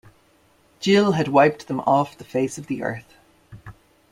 Gill had wiped them off the face of the earth.